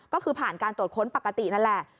ก็คือผ่านการตรวจค้นปกตินั่นแหละ